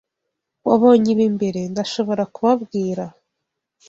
Wabonye ibi mbere, ndashobora kubabwira.